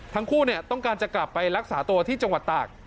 ทั้งคู่ต้องการจะกลับไปรักษาตัวที่จังหวัดตาก